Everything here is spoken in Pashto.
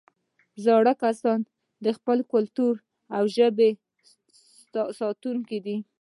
زاړه کسان د خپل کلتور او ژبې ساتونکي دي